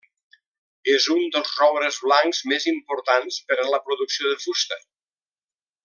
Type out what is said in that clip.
És un dels roures blancs més importants per a la producció de fusta.